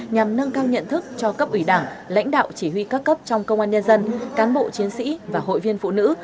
nhằm nâng cao nhận thức cho cấp ủy đảng lãnh đạo chỉ huy các cấp trong công an nhân dân cán bộ chiến sĩ và hội viên phụ nữ